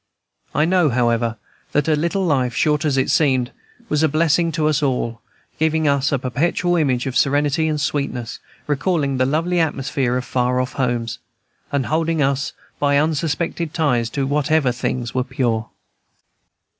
I know, however, that her little life, short as it seemed, was a blessing to us all, giving a perpetual image of serenity and sweetness, recalling the lovely atmosphere of far off homes, and holding us by unsuspected ties to whatsoever things were pure.